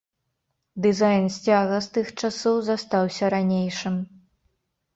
Дызайн сцяга з тых часоў застаўся ранейшым.